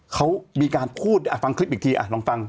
เขามีการพูดฟังคลิปอีกทีลองฟัง